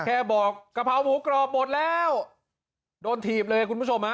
แค่บอกกะเพราหมูกรอบหมดแล้วโดนถีบเลยคุณผู้ชมฮะ